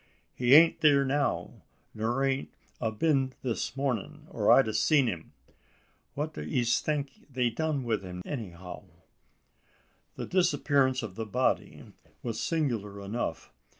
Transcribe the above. He ain't theer now; nor ain't a been this mornin', or I'd a seed him. What do ees think they've done wi' him anyhow?" The disappearance of the body was singular enough.